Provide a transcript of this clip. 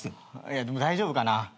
いやでも大丈夫かな？